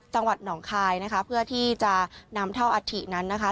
จังหวัดหนองคลายนะคะเพื่อที่จะนำเท่าอาถินั้นนะคะ